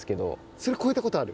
それを超えたことある？